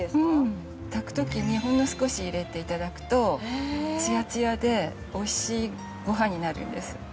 炊く時にほんの少し入れて頂くとツヤツヤでおいしいごはんになるんです。